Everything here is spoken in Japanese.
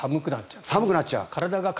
寒くなっちゃう。